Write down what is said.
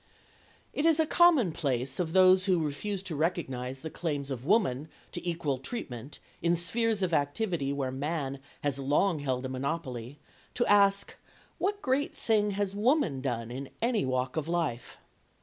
It is a commonplace of those who refuse to recognize the claims of woman to equal treatment in spheres of activity where man has long held a monopoly, to ask what great thing has woman done in any walk of life?